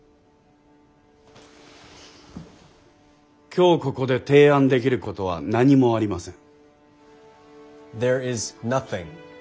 今日ここで提案できることは何もありません。